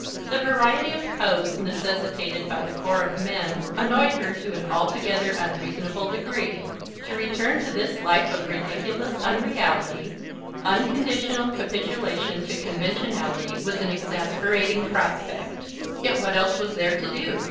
The variety of pose necessitated by the corps of 'Men' annoyed her to an altogether unreasonable degree. To return to this life of ridiculous unreality unconditional capitulation to 'Conventionality' was an exasperating prospect. Yet what else was there to do?